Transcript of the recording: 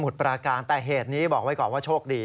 แต่เหตุนี้บอกไว้ก่อนว่าโชคดี